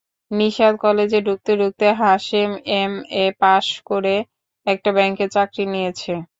নিশাত কলেজে ঢুকতে ঢুকতে হাশেম এমএ পাস করে একটা ব্যাংকে চাকরি নিয়েছে।